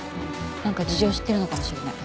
なんか事情を知ってるのかもしれない。